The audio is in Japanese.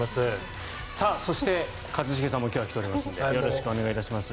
そして一茂さんも今日は来ておりますのでよろしくお願いします。